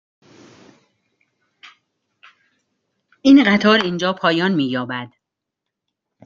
این قطار اینجا پایان می یابد.